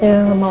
yeah i'm okay